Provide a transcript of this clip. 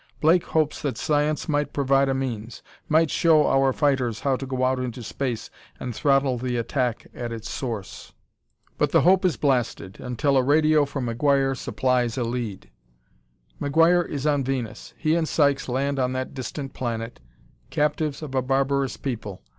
Blake hopes that science might provide a means; might show our fighters how to go out into space and throttle the attack at its source. But the hope is blasted, until a radio from McGuire supplies a lead. McGuire is on Venus. He and Sykes land on that distant planet, captives of a barbarous people.